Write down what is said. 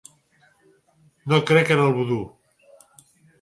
No crec en el vudú.